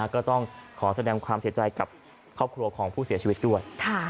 ก็ต้องขอแสดงความเสียใจกับครอบครัวของผู้เสียชีวิตด้วย